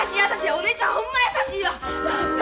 お姉ちゃんほんま優しいわ！